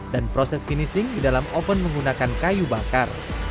dan proses finishing di dalam oven menggunakan kayu bakar